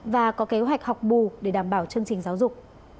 và có kế hoạch học bù để đảm bảo chương trình giáo dục